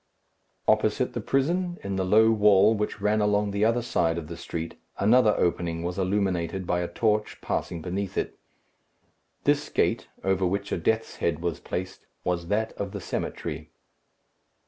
Opposite the prison, in the low wall which ran along the other side of the street, another opening was illuminated by a torch passing beneath it. This gate, over which a death's head was placed, was that of the cemetery.